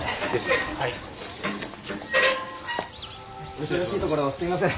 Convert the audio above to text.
お忙しいところすいません。